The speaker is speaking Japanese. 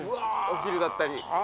お昼だったり。